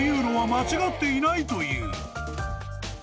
間違っていないという］